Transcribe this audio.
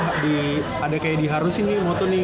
ada kayak diharusin nih moto nih